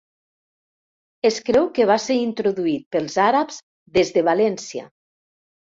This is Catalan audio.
Es creu que va ser introduït pels àrabs des de València.